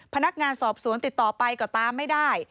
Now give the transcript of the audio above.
พนักงานสอบสวนติดต่อไปก็ตามไม่ได้